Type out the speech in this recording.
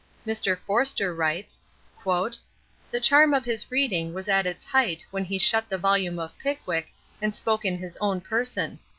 Mr. Forster writes: "The charm of his reading was at its height when he shut the volume of 'Pickwick' and spoke in his own person.